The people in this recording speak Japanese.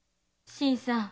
新さん。